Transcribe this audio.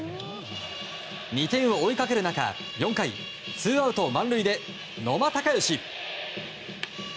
２点を追いかける中、４回ツーアウト満塁で野間峻祥。